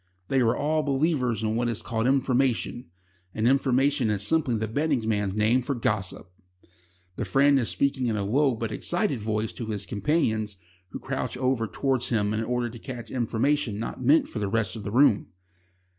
They are all believers in what is called information, and information is simply the betting man's name for gossip. The friend is speaking in a low but excited voice to his companions, who crouch over towards him in order to catch information not meant for the rest of the room.